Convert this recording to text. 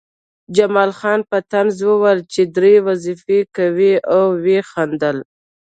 جمال خان په طنز وویل چې درې وظیفې کوې او ویې خندل